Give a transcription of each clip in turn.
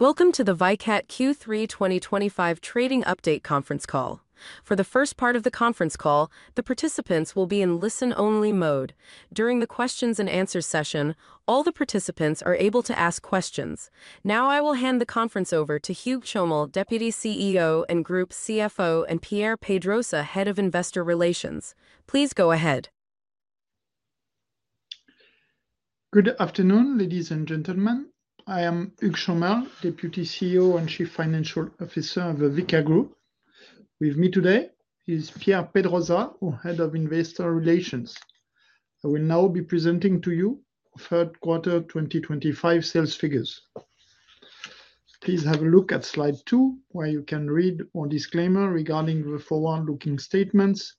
Welcome to the Vicat Q3 2025 Trading Update Conference Call. For the first part of the conference call, the participants will be in listen-only mode. During the Q&A session, all participants are able to ask questions. Now I will hand the conference over to Hugues Chomel, Deputy CEO and Group CFO, and Pierre Pedrosa, Head of Investor Relations. Please go ahead. Good afternoon, ladies and gentlemen. I am Hugues Chomel, Deputy CEO and Chief Financial Officer of Vicat. With me today is Pierre Pedrosa, Head of Investor Relations. I will now be presenting to you the Q3 2025 sales figures. Please have a look at slide two, where you can read a disclaimer regarding the forward-looking statements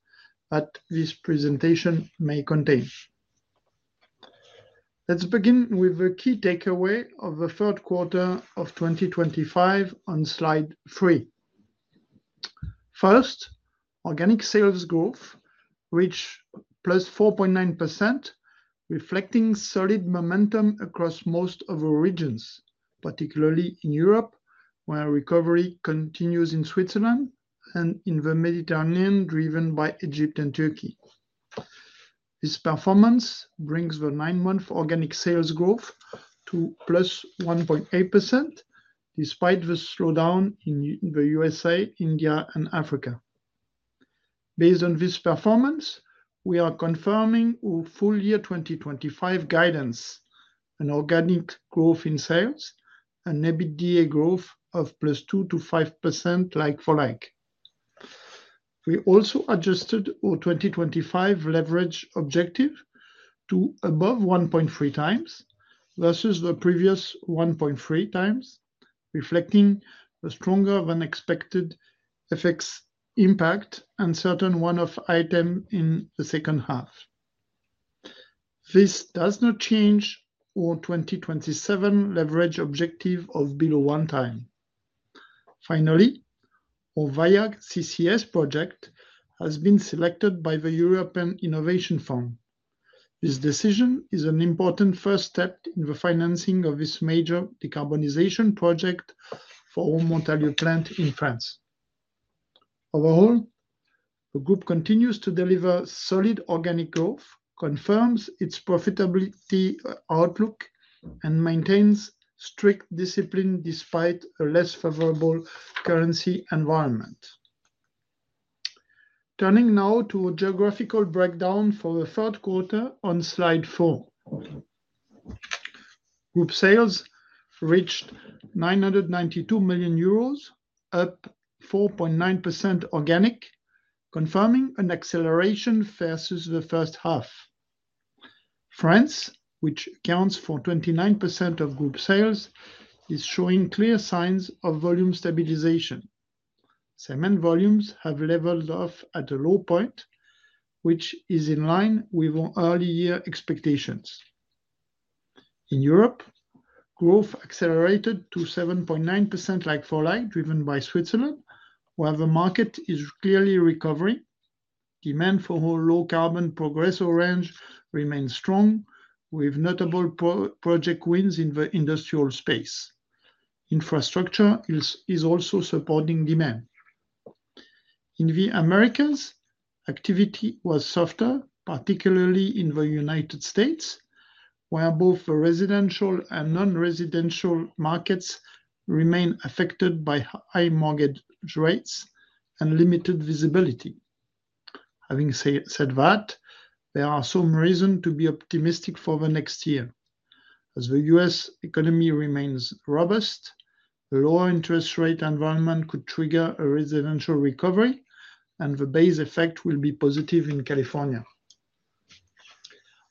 that this presentation may contain. Let's begin with the key takeaways of Q3 2025 on slide three. First. Organic sales growth reached +4.9%. Reflecting solid momentum across most of the regions, particularly in Europe, where recovery continues in Switzerland and in the Mediterranean, driven by Egypt and Turkey. This performance brings the nine-month organic sales growth to +1.8%. Despite the slowdown in the U.S., India, and Africa. Based on this performance, we are confirming a full year 2025 guidance, an organic growth in sales, and net EBITDA growth of +2.5% like-for-like. We also adjusted our 2025 leverage objective to above 1.3x versus the previous 1.3x, reflecting a stronger-than-expected FX impact and certain run-off item in the second half. This does not change our 2027 leverage objective of below 1x. Finally, our VAIA CCS project has been selected by the European Innovation Fund. This decision is an important first step in the financing of this major decarbonization project for our Montalieu plant in France. Overall. The Group continues to deliver solid organic growth, confirms its profitability outlook, and maintains strict discipline despite a less favorable currency environment. Turning now to a geographical breakdown for Q3 on slide four. Group sales reached 992 million euros, up 4.9% organic, confirming an acceleration versus the first half. France, which accounts for 29% of Group sales, is showing clear signs of volume stabilization. Cement volumes have leveled off at a low point, which is in line with our early-year expectations. In Europe, growth accelerated to 7.9% like-for-like, driven by Switzerland, where the market is clearly recovering. Demand for our low-carbon Progressor range remains strong, with notable project wins in the industrial space. Infrastructure is also supporting demand. In the Americas, activity was softer, particularly in the United States, where both the residential and non-residential markets remain affected by high mortgage rates and limited visibility. Having said that, there are some reasons to be optimistic for the next year. As the U.S. economy remains robust, a lower interest rate environment could trigger a residential recovery, and the base effect will be positive in California.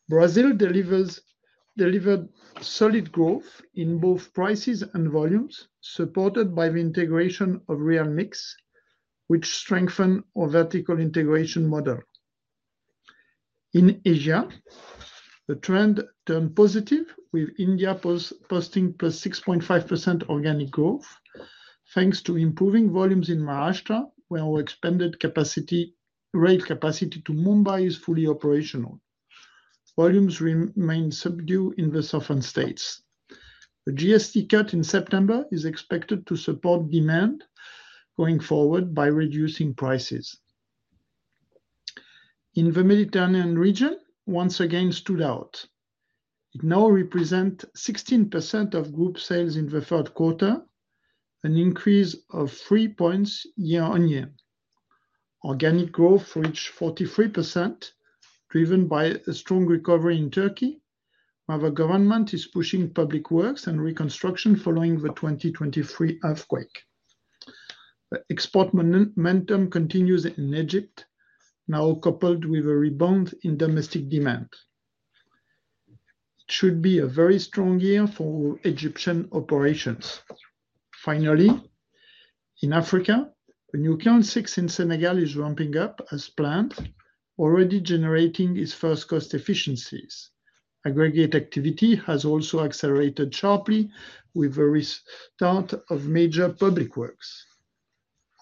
Brazil delivered solid growth in both prices and volumes, supported by the integration of Realmix, which strengthened our vertical integration model. In Asia. The trend turned positive, with India posting +6.5% organic growth, thanks to improving volumes in Maharashtra, where our expanded rail capacity to Mumbai is fully operational. Volumes remained subdued in the southern states. The GST cut in September is expected to support demand going forward by reducing prices. In the Mediterranean region, once again stood out. It now represents 16% of Group sales in Q3. An increase of 3 points year-on-year. Organic growth reached 43%. Driven by a strong recovery in Turkey, where the government is pushing public works and reconstruction following the 2023 earthquake. Export momentum continues in Egypt, now coupled with a rebound in domestic demand. It should be a very strong year for Egyptian operations. Finally, in Africa, a new Kiln 6 in Senegal is ramping up as planned, already generating its first cost efficiencies. Aggregates activity has also accelerated sharply, with the restart of major public works.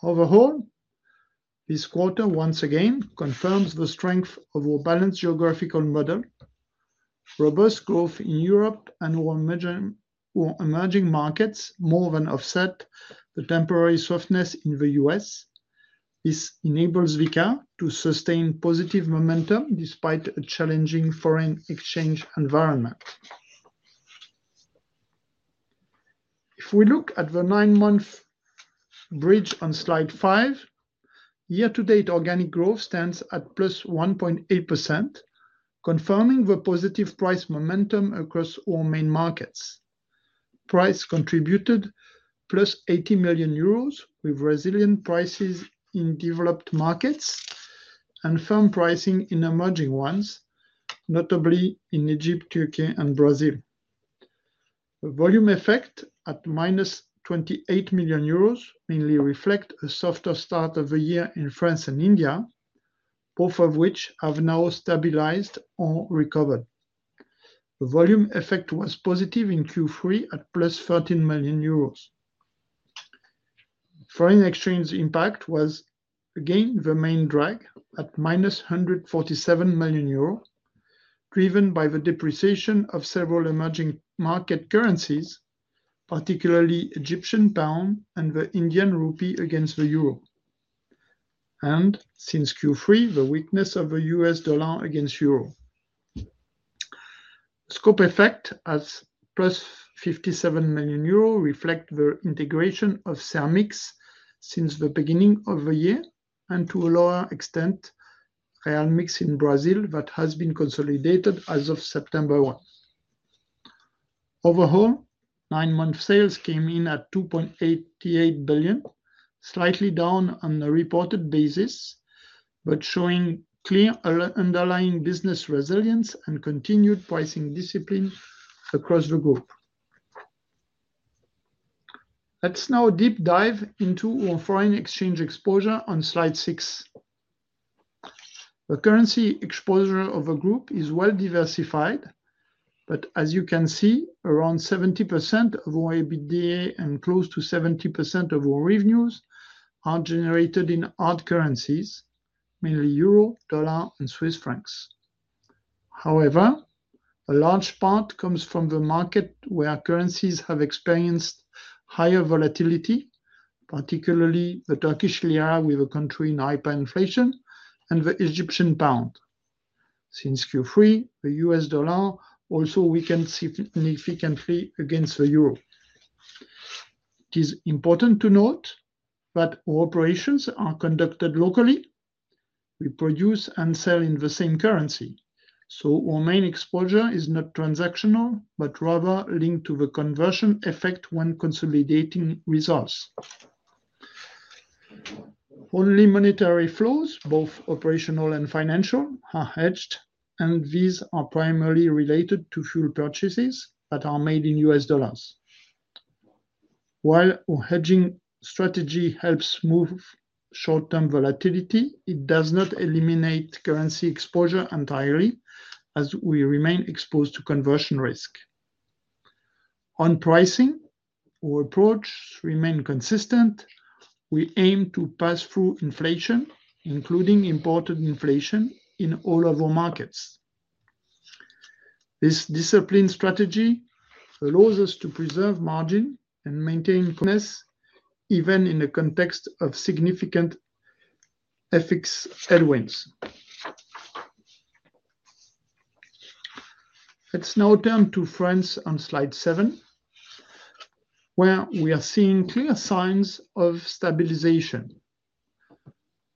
Overall, this quarter once again confirms the strength of our balanced geographical model. Robust growth in Europe and our emerging markets more than offset the temporary softness in the U.S. This enables Vicat to sustain positive momentum despite a challenging foreign exchange environment. If we look at the nine-month bridge on slide five. Year-to-date organic growth stands at +1.8%. Confirming the positive price momentum across our main markets. Price contributed +80 million euros with resilient prices in developed markets and firm pricing in emerging ones, notably in Egypt, Turkey, and Brazil. The volume effect at -28 million euros mainly reflects a softer start of the year in France and India, both of which have now stabilized or recovered. The volume effect was positive in Q3 at +13 million euros. Foreign exchange impact was again the main drag at -147 million euro. Driven by the depreciation of several emerging market currencies, particularly the Egyptian pound and the Indian rupee against the euro. And since Q3, the weakness of the U.S. dollar against euro. Scope effect at +57 million euro reflects the integration of Cermix since the beginning of the year and to a lower extent, Realmix in Brazil that has been consolidated as of September 1. Overall, nine-month sales came in at 2.88 billion, slightly down on the reported basis, but showing clear underlying business resilience and continued pricing discipline across the Group. Let's now deep dive into our foreign exchange exposure on slide six. The currency exposure of the Group is well diversified. But as you can see, around 70% of our EBITDA and close to 70% of our revenues are generated in hard currencies, mainly euro, dollar, and Swiss francs. However, a large part comes from the markets where currencies have experienced higher volatility, particularly the Turkish lira, with a country in hyperinflation, and the Egyptian pound. Since Q3, the U.S. dollar also weakened significantly against the euro. It is important to note that our operations are conducted locally. We produce and sell in the same currency, so our main exposure is not transactional but rather linked to the conversion effect when consolidating results. Only monetary flows, both operational and financial, are hedged, and these are primarily related to fuel purchases that are made in U.S. dollars. While our hedging strategy helps mitigate short-term volatility, it does not eliminate currency exposure entirely, as we remain exposed to conversion risk. On pricing, our approach remains consistent. We aim to pass through inflation, including imported inflation, in all of our markets. This disciplined strategy allows us to preserve margin and maintain firmness even in the context of significant FX headwinds. Let's now turn to France on slide seven, where we are seeing clear signs of stabilization.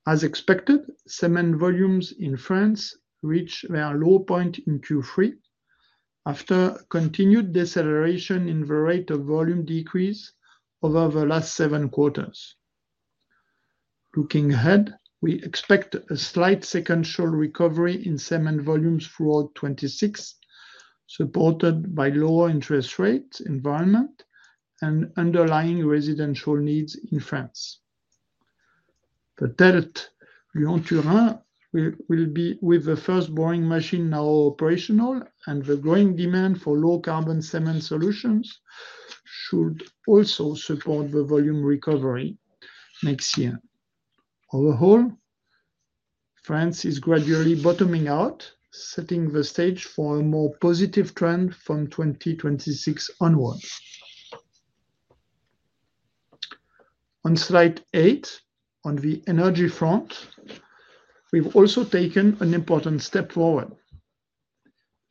As expected, cement volumes in France reached their low point in Q3 after continued deceleration in the rate of volume decrease over the last seven quarters. Looking ahead, we expect a slight second-half recovery in cement volumes throughout 2026, supported by lower interest rate environment and underlying residential needs in France. The TELT Lyon-Turin will begin with the first boring machine now operational, and the growing demand for low-carbon cement solutions should also support the volume recovery next year. Overall, France is gradually bottoming out, setting the stage for a more positive trend from 2026 onward. On slide eight, on the energy front, we've also taken an important step forward.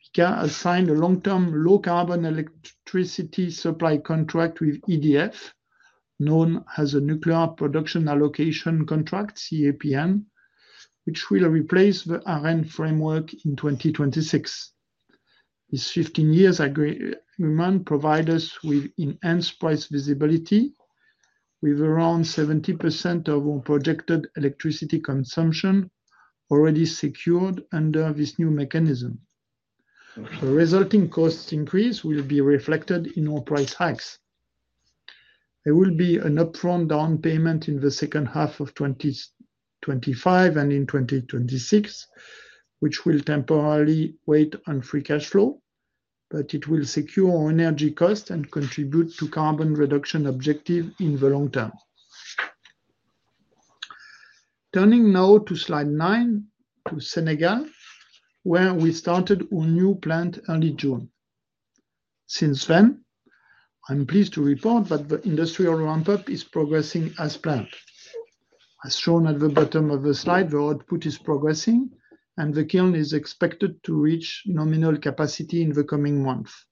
Vicat has signed a long-term low-carbon electricity supply contract with EDF, known as a Nuclear Production Allocation Contract (CAPN), which will replace the ARENH framework in 2026. This 15-year agreement provides us with enhanced price visibility, with around 70% of our projected electricity consumption already secured under this new mechanism. The resulting cost increase will be reflected in our price hikes. There will be an upfront down payment in the second half of 2025 and in 2026, which will temporarily weigh on free cash flow, but it will secure our energy costs and contribute to carbon reduction objectives in the long term. Turning now to slide nine, to Senegal, where we started our new plant early June. Since then, I'm pleased to report that the industrial ramp-up is progressing as planned. As shown at the bottom of the slide, the output is progressing, and the kiln is expected to reach nominal capacity in the coming months.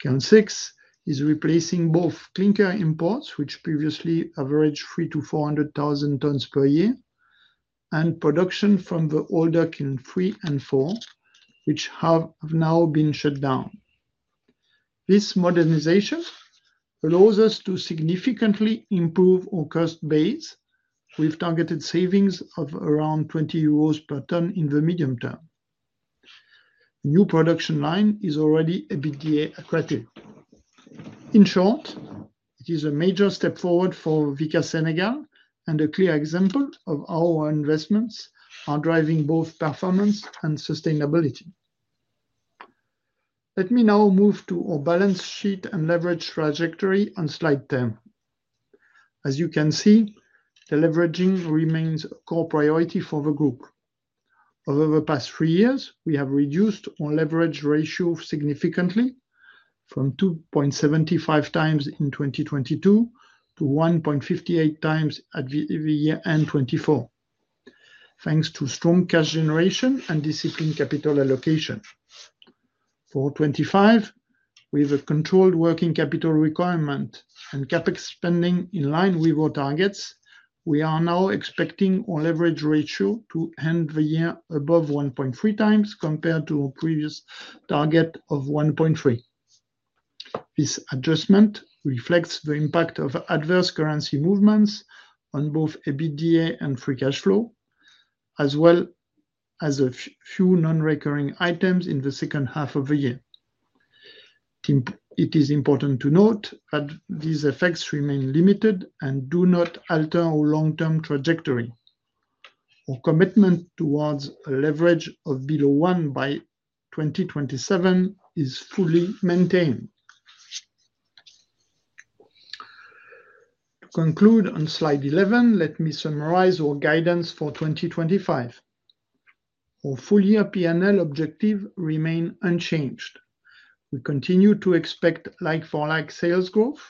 Kiln 6 is replacing both clinker imports, which previously averaged 300,000-400,000 tons per year, and production from the older Kiln 3 and 4, which have now been shut down. This modernization allows us to significantly improve our cost base, with targeted savings of around 20 euros per tonne in the medium term. A new production line is already EBITDA accretive. In short, it is a major step forward for Vicat Senegal and a clear example of how our investments are driving both performance and sustainability. Let me now move to our balance sheet and leverage trajectory on slide 10. As you can see, the leverage remains a core priority for the Group. Over the past three years, we have reduced our leverage ratio significantly, from 2.75x in 2022 to 1.58x at the year-end 2024. Thanks to strong cash generation and disciplined capital allocation. For 2025, with a controlled working capital requirement and CapEx spending in line with our targets, we are now expecting our leverage ratio to end the year above 1.3x compared to our previous target of 1.3x. This adjustment reflects the impact of adverse currency movements on both EBITDA and free cash flow, as well as a few non-recurring items in the second half of the year. It is important to note that these effects remain limited and do not alter our long-term trajectory. Our commitment towards a leverage of below 1x by 2027 is fully maintained. To conclude on slide 11, let me summarize our guidance for 2025. Our full-year P&L objectives remain unchanged. We continue to expect like-for-like sales growth.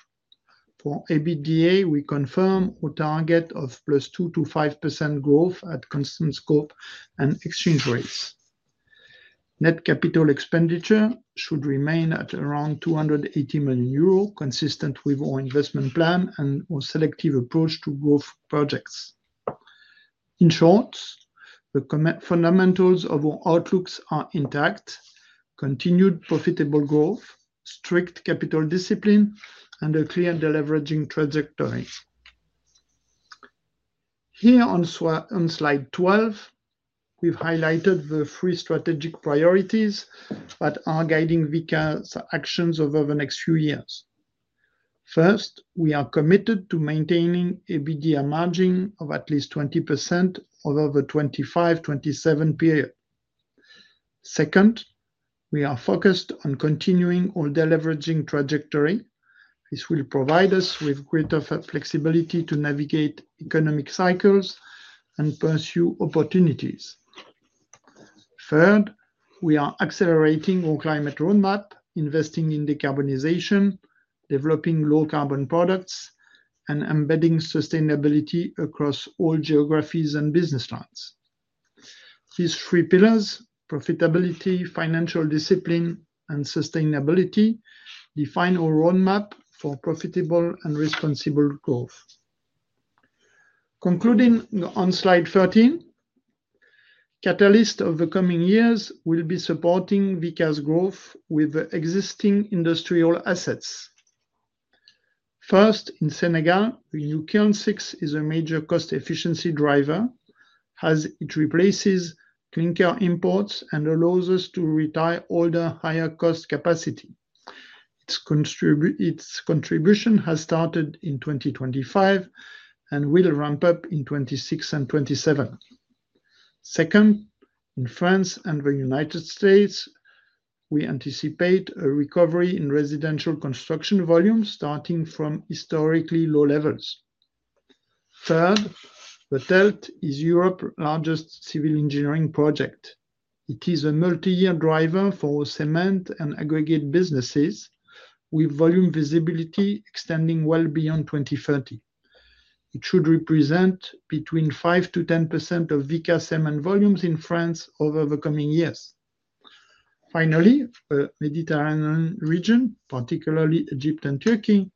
For EBITDA, we confirm our target of +2%-5% growth at constant scope and exchange rates. Net capital expenditure should remain at around 280 million euro, consistent with our investment plan and our selective approach to growth projects. In short, the fundamentals of our outlooks are intact: continued profitable growth, strict capital discipline, and a clear deleveraging trajectory. Here on slide 12, we've highlighted the three strategic priorities that are guiding Vicat's actions over the next few years. First, we are committed to maintaining EBITDA margin of at least 20% over the 2025-2027 period. Second, we are focused on continuing our deleveraging trajectory. This will provide us with greater flexibility to navigate economic cycles and pursue opportunities. Third, we are accelerating our climate roadmap, investing in decarbonization, developing low-carbon products, and embedding sustainability across all geographies and business lines. These three pillars, profitability, financial discipline, and sustainability, define our roadmap for profitable and responsible growth. Concluding on slide 13. Catalysts of the coming years will be supporting Vicat's growth with existing industrial assets. First, in Senegal, the new Kiln 6 is a major cost efficiency driver. As it replaces clinker imports and allows us to retire older, higher-cost capacity. Its contribution has started in 2025 and will ramp up in 2026 and 2027. Second, in France and the United States, we anticipate a recovery in residential construction volumes starting from historically low levels. Third, the TELT is Europe's largest civil engineering project. It is a multi-year driver for cement and aggregate businesses, with volume visibility extending well beyond 2030. It should represent between 5%-10% of Vicat cement volumes in France over the coming years. Finally, the Mediterranean region, particularly Egypt and Turkey,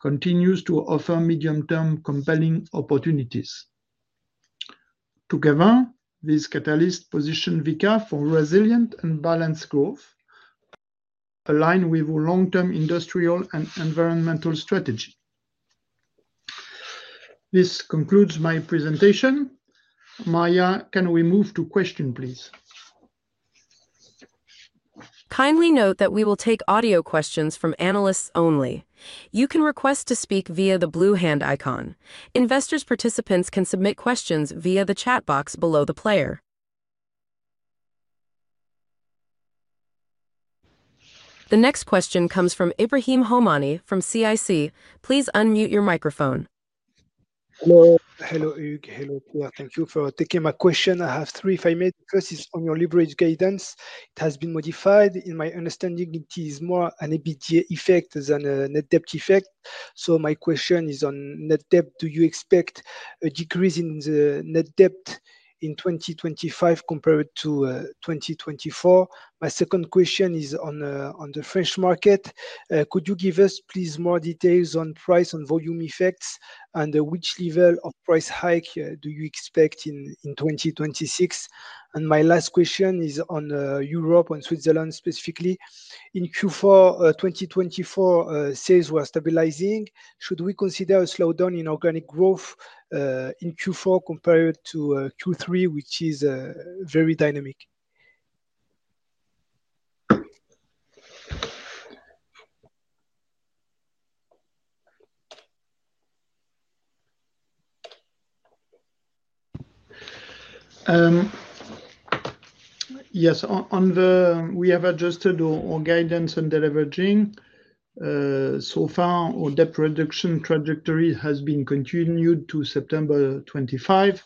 continues to offer medium-term compelling opportunities. Together, these catalysts position Vicat for resilient and balanced growth. Aligned with our long-term industrial and environmental strategy. This concludes my presentation. Maya, can we move to questions, please? Kindly note that we will take audio questions from analysts only. You can request to speak via the blue hand icon. Investors' participants can submit questions via the chat box below the player. The next question comes from Ebrahim Homani from CIC. Please unmute your microphone. Hello, hello, thank you for taking my question. I have three. If I may, the first is on your leverage guidance. It has been modified. In my understanding, it is more an EBITDA effect than a net debt effect. So my question is on net debt. Do you expect a decrease in the net debt in 2025 compared to 2024? My second question is on the French market. Could you give us, please, more details on price and volume effects and which level of price hike do you expect in 2026? And my last question is on Europe, on Switzerland specifically. In Q4 2024, sales were stabilizing. Should we consider a slowdown in organic growth in Q4 compared to Q3, which is very dynamic? Yes. We have adjusted our guidance and deleveraging. So far, our debt reduction trajectory has been continued to September 2025.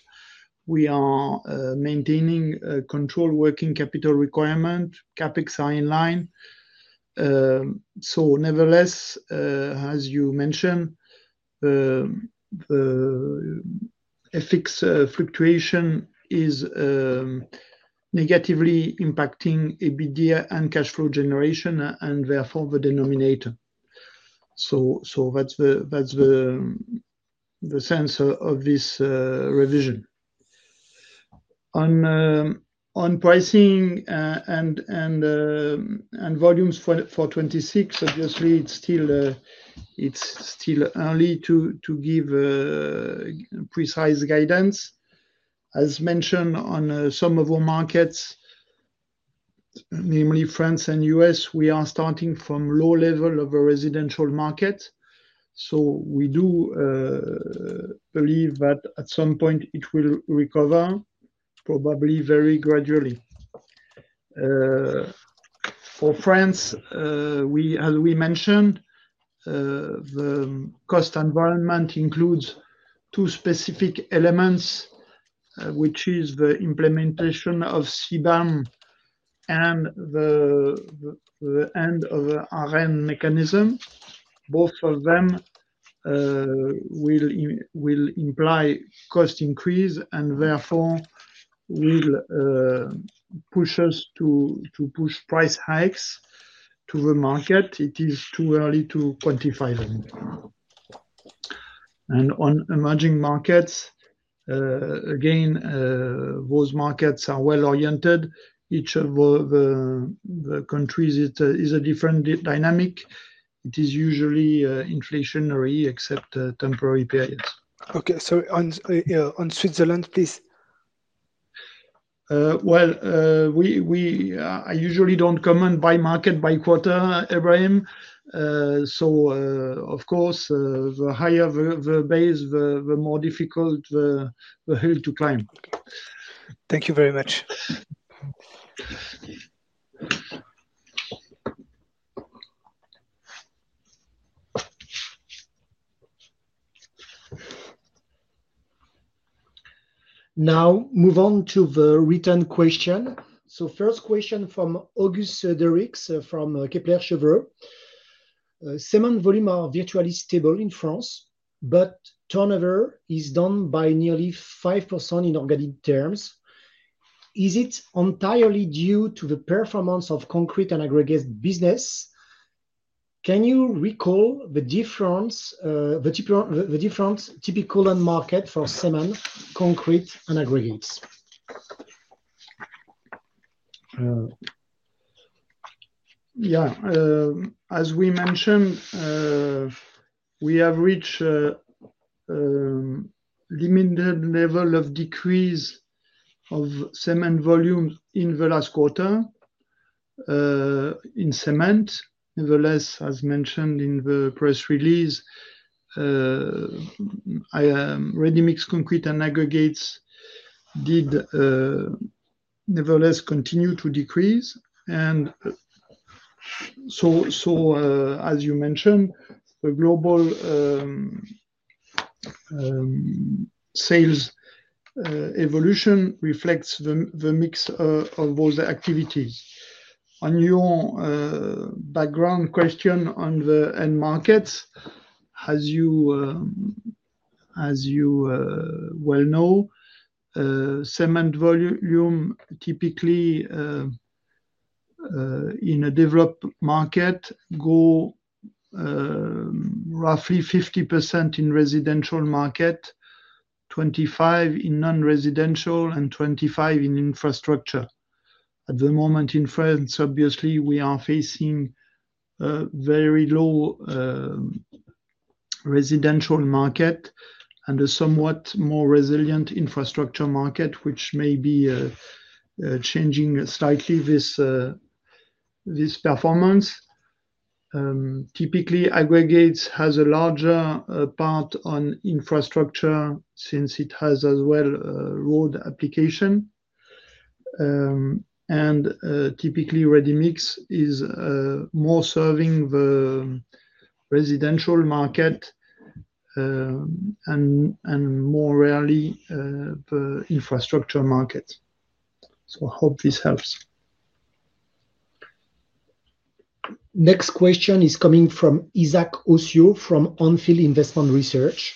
We are maintaining a controlled working capital requirement. CapEx are in line. So nevertheless, as you mentioned, the FX fluctuation is negatively impacting EBITDA and cash flow generation and therefore the denominator. So that's the sense of this revision. On pricing and volumes for 2026, obviously, it's still early to give precise guidance. As mentioned, on some of our markets, namely France and the U.S., we are starting from a low level of a residential market. So we do believe that at some point it will recover, probably very gradually. For France, as we mentioned, the cost environment includes two specific elements, which are the implementation of CAPN and the end of the ARENH mechanism. Both of them will imply cost increase and therefore will push us to push price hikes to the market. It is too early to quantify them. And on emerging markets, again, those markets are well-oriented. Each of the countries is a different dynamic. It is usually inflationary, except temporary periods. Okay. So on Switzerland, please. Well, I usually don't comment by market, by quarter, Ebrahim. So, of course, the higher the base, the more difficult the hill to climb. Thank you very much. Now, move on to the written question. So first question from Auguste Deryckx from Kepler Cheuvreux. "Cement volumes are virtually stable in France, but turnover is down by nearly 5% in organic terms. Is it entirely due to the performance of concrete and aggregates business? Can you recall the typical end market for cement, concrete, and aggregates?" Yeah. As we mentioned, we have reached a limited level of decrease of cement volume in the last quarter in cement. Nevertheless, as mentioned in the press release, Ready-mix concrete and aggregates did nevertheless continue to decrease. And so, as you mentioned, the global sales evolution reflects the mix of those activities. On your background question on the end markets, as you well know, cement volume typically in a developed market grows roughly 50% in residential market, 25% in non-residential, and 25% in infrastructure. At the moment in France, obviously, we are facing a very low residential market and a somewhat more resilient infrastructure market, which may be changing slightly this performance. Typically, aggregates has a larger part on infrastructure since it has as well road application. And typically, ready-mix is more serving the residential market and more rarely the infrastructure market. So I hope this helps. Next question is coming from Isaac Ocio from Onfield Investment Research.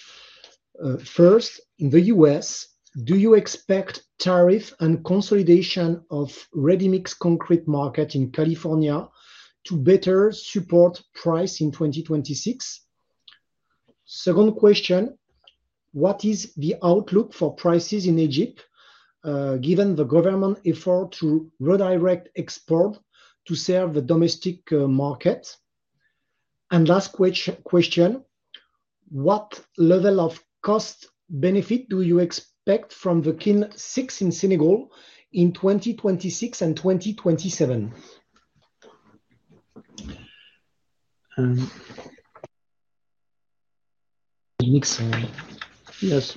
"First, in the U.S., do you expect tariff and consolidation of ready-mix concrete market in California to better support price in 2026?" Second question, "What is the outlook for prices in Egypt, given the government effort to redirect export to serve the domestic market?" And last question. "What level of cost benefit do you expect from the Kiln 6 in Senegal in 2026 and 2027?" Yes.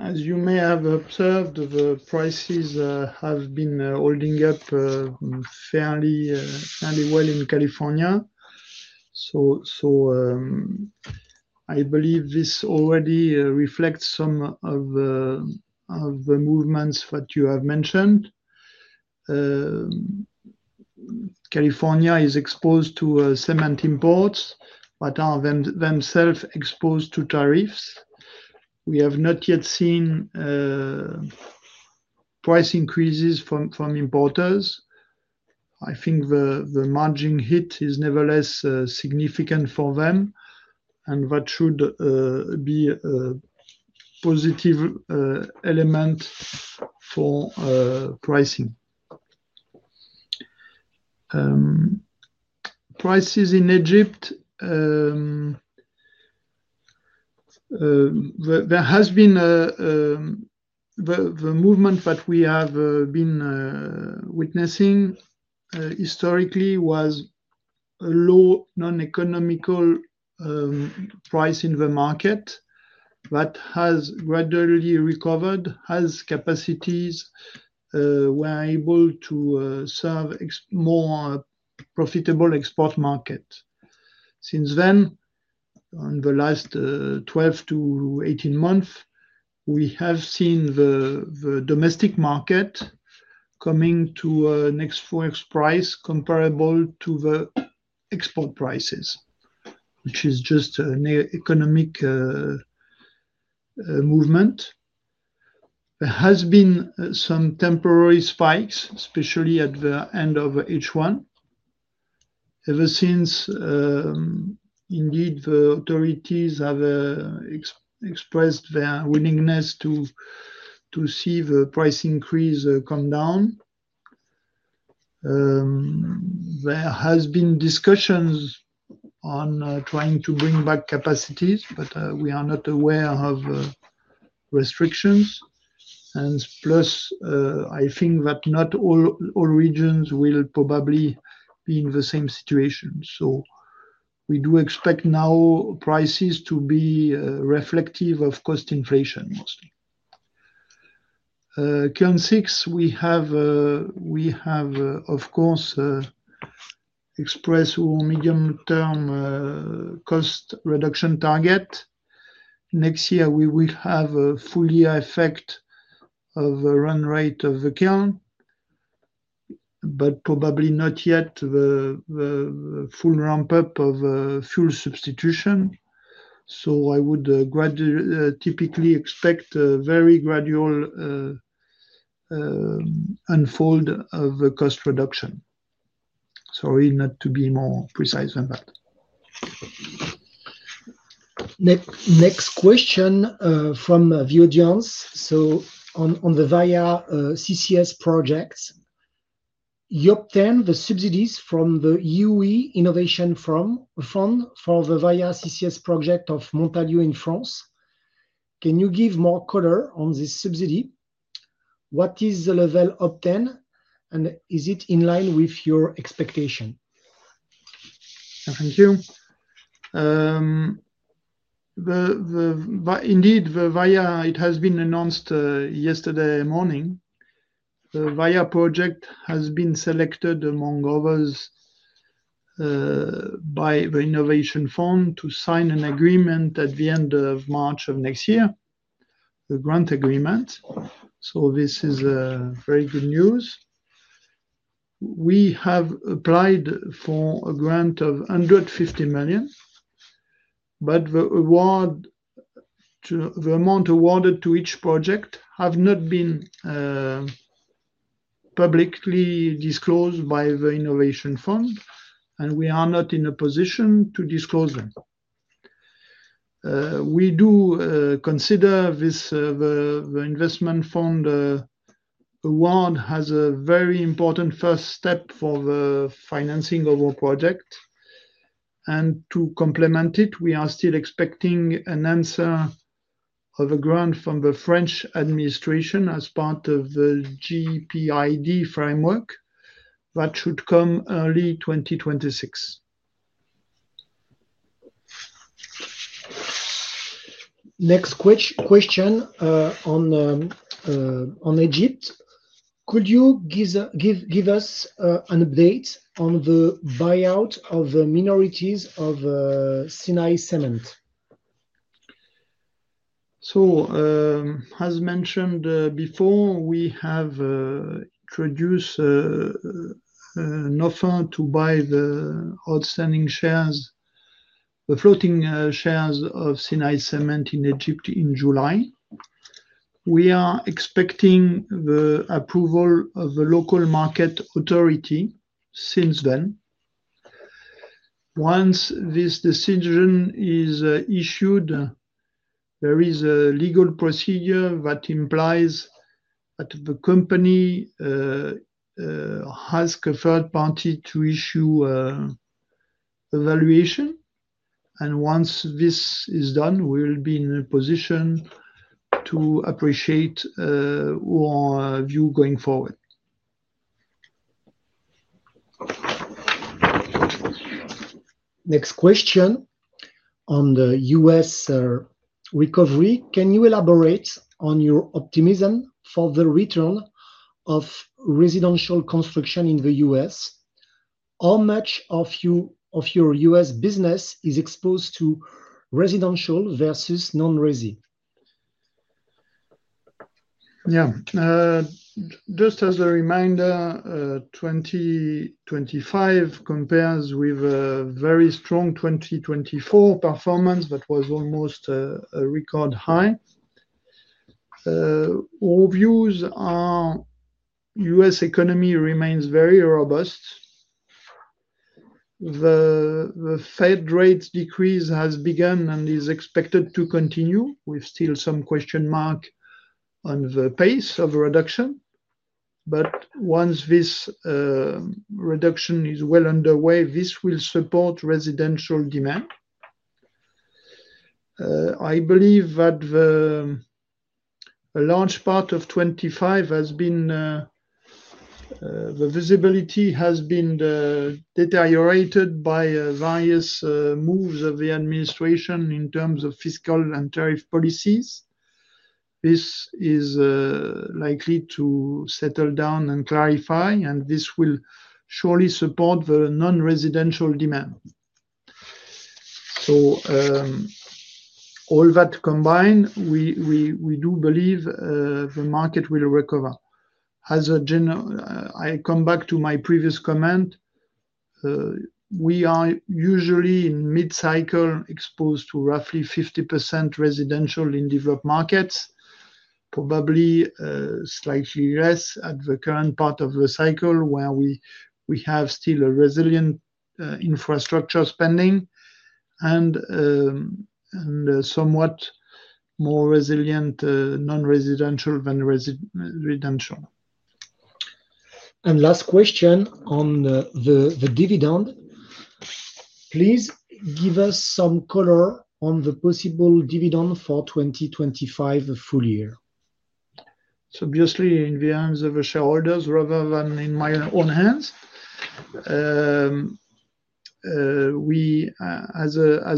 As you may have observed, the prices have been holding up fairly well in California. So I believe this already reflects some of the movements that you have mentioned. California is exposed to cement imports but are themselves exposed to tariffs. We have not yet seen price increases from importers. I think the margin hit is nevertheless significant for them, and that should be a positive element for pricing. Prices in Egypt. There has been the movement that we have been witnessing. Historically was a low non-economical price in the market. That has gradually recovered, as capacities were able to serve a more profitable export market. Since then. In the last 12-18 months, we have seen the domestic market coming to a next-forward price comparable to the export prices. Which is just an economic movement. There have been some temporary spikes, especially at the end of H1. Ever since. Indeed, the authorities have expressed their willingness to see the price increase come down. There have been discussions on trying to bring back capacities, but we are not aware of restrictions. And plus, I think that not all regions will probably be in the same situation. So we do expect now prices to be reflective of cost inflation, mostly. Kiln 6, we have, of course, expressed our medium-term cost reduction target. Next year, we will have a full year effect of the run rate of the kiln. But probably not yet the full ramp-up of fuel substitution. So I would typically expect a very gradual unfold of the cost reduction. Sorry, not to be more precise than that. Next question from the audience. So on the VAIA CCS project. You obtained the subsidies from the EU Innovation Fund for the VAIA CCS project of Montalieu in France. Can you give more color on this subsidy? What is the level obtained, and is it in line with your expectation? Thank you. Indeed, it has been announced yesterday morning. The VAIA project has been selected among others by the Innovation Fund to sign an agreement at the end of March of next year. The grant agreement. So this is very good news. We have applied for a grant of 150 million, but the amount awarded to each project has not been publicly disclosed by the Innovation Fund, and we are not in a position to disclose them. We do consider this the investment fund award has a very important first step for the financing of our project. And to complement it, we are still expecting an answer of a grant from the French administration as part of the GPID framework. That should come early 2026. Next question on Egypt. Could you give us an update on the buyout of the minorities of Sinai Cement? So. As mentioned before, we have introduced an offer to buy the outstanding floating shares of Sinai Cement in Egypt in July. We are expecting the approval of the local market authority since then. Once this decision is issued, there is a legal procedure that implies that the company has a third party to issue a valuation. And once this is done, we will be in a position to appreciate our view going forward. Next question on the U.S. recovery. Can you elaborate on your optimism for the return of residential construction in the U.S.? How much of your U.S. business is exposed to residential versus non-residential? Yeah. Just as a reminder, 2025 compares with a very strong 2024 performance that was almost a record high. Our views are the U.S. economy remains very robust. The Fed rate decrease has begun and is expected to continue. We still have some question marks on the pace of reduction. But once this reduction is well underway, this will support residential demand. I believe that a large part of 2025 has been the visibility has been deteriorated by various moves of the administration in terms of fiscal and tariff policies. This is likely to settle down and clarify, and this will surely support the non-residential demand. So all that combined, we do believe the market will recover. I come back to my previous comment. We are usually in mid-cycle exposed to roughly 50% residential in developed markets, probably slightly less at the current part of the cycle where we have still a resilient infrastructure spending and somewhat more resilient non-residential than residential. And last question on the dividend. Please give us some color on the possible dividend for 2025 full year. So obviously, in the hands of the shareholders rather than in my own hands. As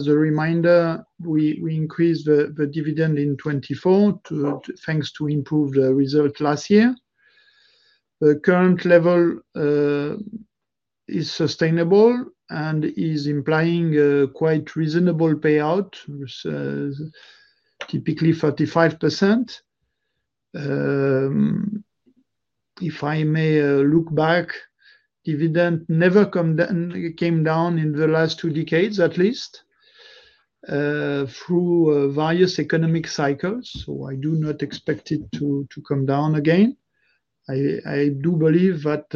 a reminder, we increased the dividend in 2024 thanks to improved results last year. The current level is sustainable and is implying a quite reasonable payout. Typically 35%. If I may look back, dividend never came down in the last two decades, at least, through various economic cycles. So I do not expect it to come down again. I do believe that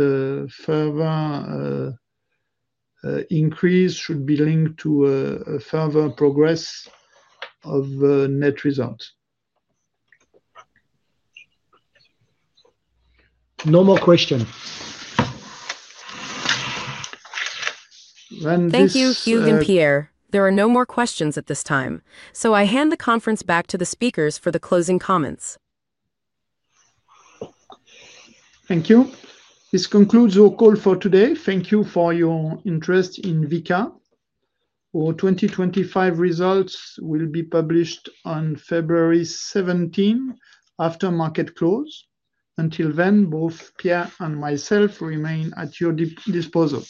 further increase should be linked to a further progress of net results. No more questions. Thank you, Hugues and Pierre. There are no more questions at this time. So I hand the conference back to the speakers for the closing comments. Thank you. This concludes our call for today. Thank you for your interest in Vicat. Our 2025 results will be published on February 17th after market close. Until then, both Pierre and myself remain at your disposal.